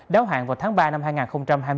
đáo hạn bộ phim bộ phim bộ phim bộ phim bộ phim